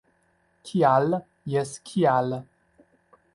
Kial? - Jes, kial?